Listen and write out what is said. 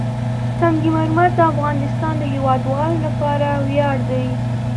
سنگ مرمر د افغانستان د هیوادوالو لپاره ویاړ دی.